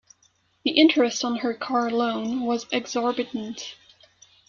The interest on her car loan was exorbitant.